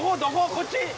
こっち？